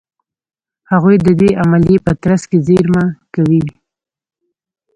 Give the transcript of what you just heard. هغوی د دې عملیې په ترڅ کې زېرمه کوي.